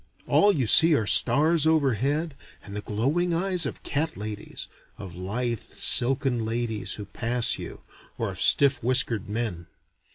All you see are stars overhead and the glowing eyes of cat ladies, of lithe silken ladies who pass you, or of stiff whiskered men.